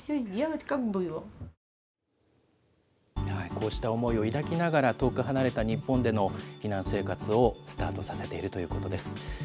こうした思いを抱きながら、遠く離れた日本での避難生活をスタートさせているということです。